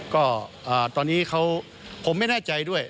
ก็ตอนนี้เขาผมไม่แน่ใจด้วย